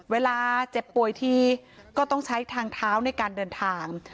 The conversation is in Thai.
เวลาเจ็บป่วยทีก็ต้องใช้ทางเท้าในการเดินทาง